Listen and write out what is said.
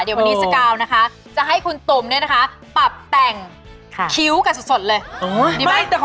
เดี๋ยววันนี้สกาวนะคะจะให้คุณตุ๋มเนี่ยนะคะปรับแต่งคิ้วกันสดเลย